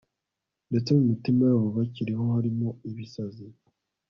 ndetse mu mitima yabo bakiriho harimo ibisazi